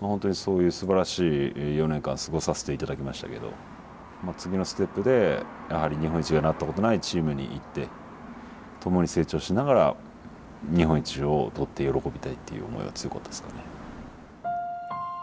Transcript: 本当にそういうすばらしい４年間過ごさせていただきましたけど次のステップでやはり日本一がなったことがないチームに行って共に成長しながら日本一を取って喜びたいっていう思いが強かったですね。